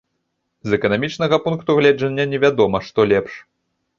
З эканамічнага пункту гледжання невядома, што лепш.